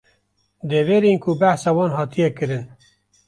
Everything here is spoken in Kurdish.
Deverên ku behsa wan hatiye kirin